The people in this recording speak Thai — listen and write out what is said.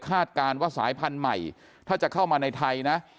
การว่าสายพันธุ์ใหม่ถ้าจะเข้ามาในไทยนะ